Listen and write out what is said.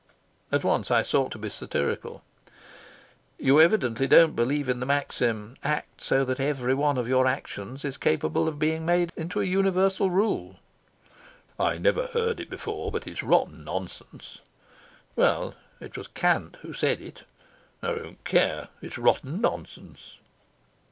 And once I sought to be satirical. "You evidently don't believe in the maxim: Act so that every one of your actions is capable of being made into a universal rule." "I never heard it before, but it's rotten nonsense." "Well, it was Kant who said it." "I don't care; it's rotten nonsense."